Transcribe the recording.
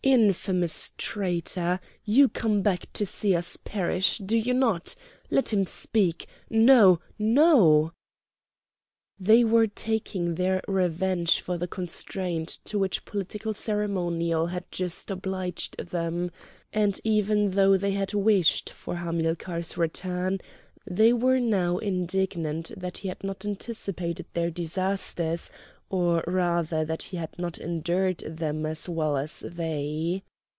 Infamous traitor! You come back to see us perish, do you not? Let him speak!—No! no!" They were taking their revenge for the constraint to which political ceremonial had just obliged them; and even though they had wished for Hamilcar's return, they were now indignant that he had not anticipated their disasters, or rather that he had not endured them as well as they.